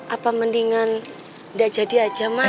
apa mendingan gak jadi aja mah